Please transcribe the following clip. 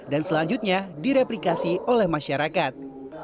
dan selanjutnya direplikasi oleh masyarakat